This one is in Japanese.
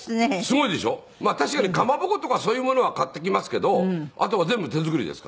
まあ確かに蒲鉾とかそういうものは買ってきますけどあとは全部手作りですから。